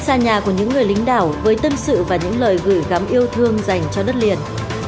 xa nhà của những người lính đảo với tâm sự và những lời gửi gắm yêu thương dành cho đất liền